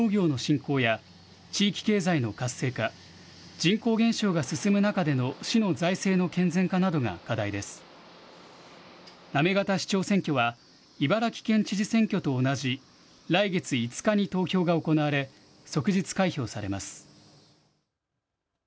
行方市長選挙は茨城県知事選挙と同じ来月５日に投票が行われ即日開票されます。